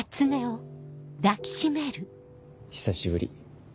久しぶり。